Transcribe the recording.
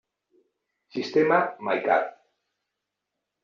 Sistema My Car.